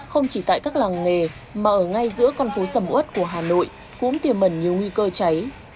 không chỉ tại các làng nghề mà ở ngay giữa con phố sầm ớt của hà nội cũng tiềm mẩn nhiều nguy cơ cháy